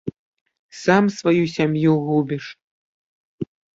Сам сваю сям'ю губіш.